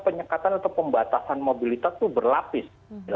penyekatan atau pembatasan mobilitas itu berlapis